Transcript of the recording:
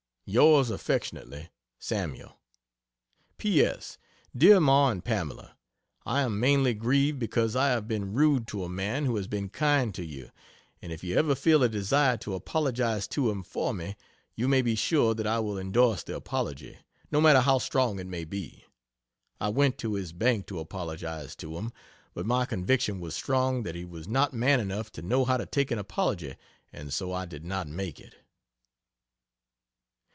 Ys affectionately SAML. P. S. DEAR MA AND PAMELA I am mainly grieved because I have been rude to a man who has been kind to you and if you ever feel a desire to apologize to him for me, you may be sure that I will endorse the apology, no matter how strong it may be. I went to his bank to apologize to him, but my conviction was strong that he was not man enough to know how to take an apology and so I did not make it.